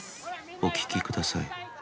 お聞きください。